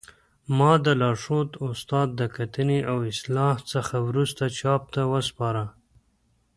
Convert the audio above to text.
ما د لارښود استاد د کتنې او اصلاح څخه وروسته چاپ ته وسپاره